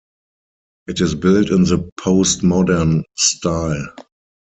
It is built in the postmodern style.